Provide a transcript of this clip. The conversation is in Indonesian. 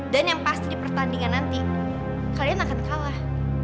dan yang pasti di pertandingan nanti kalian akan kalah